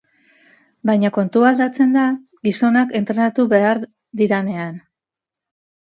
Baina kontua aldatzen da gizonak entrenatu behar direnean.